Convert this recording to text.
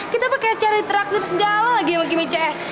kita pake cherry truck dan segala lagi sama kimi cs